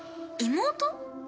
妹？